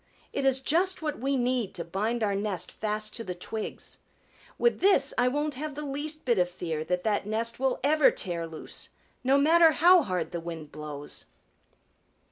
It is just what we need to bind our nest fast to the twigs. With this I won't have the least bit of fear that that nest will ever tear loose, no matter how hard the wind blows."